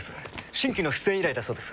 新規の出演依頼だそうです。